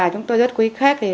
chúng tôi rất quý khách